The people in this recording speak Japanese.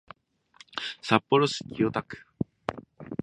札幌市清田区